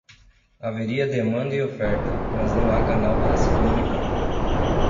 Haveria demanda e oferta, mas não há canal para se comunicar.